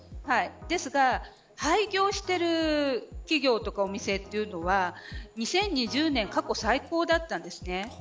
ですが、廃業している企業とかお店というのは２０２０年過去最高だったんです。